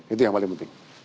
itu yang paling penting